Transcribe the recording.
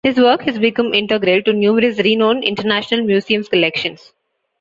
His work has become integral to numerous renowned, international museums' collections.